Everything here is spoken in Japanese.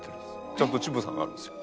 ちゃんとちぶさがあるんですよ。